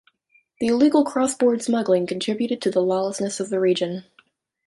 The illegal cross-border smuggling contributed to the lawlessness of the region.